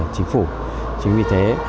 chính phủ chính vì thế